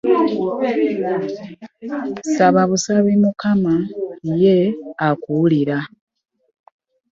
Sababusabi Mukama ye akuwulira.